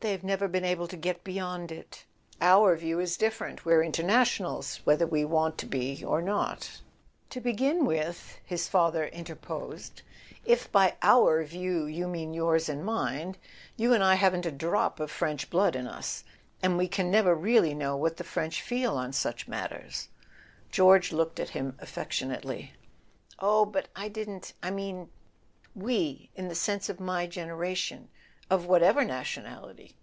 They've never been able to get beyond it. Our whole view is different: we're internationals, whether we want to be or not." "To begin with, if by 'our' view you mean yours and mine, you and I haven't a drop of French blood in us," his father interposed, "and we can never really know what the French feel on such matters." George looked at him affectionately. "Oh, but I didn't—I meant 'we' in the sense of my generation, of whatever nationality.